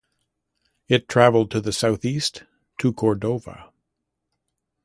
It traveled to the southeast to Cordova.